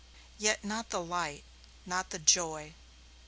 Yet not the light, not the joy.